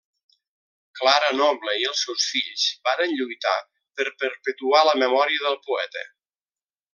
Clara Noble i els seus fills varen lluitar per perpetuar la memòria del poeta.